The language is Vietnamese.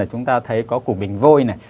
chúng ta thấy có củ bình vôi này